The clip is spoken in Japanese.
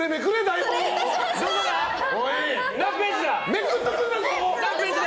めくっとくんだ！